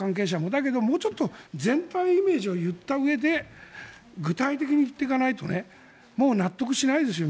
だけどもうちょっと全体イメージを言ったうえで具体的に言っていかないともう納得しないですよ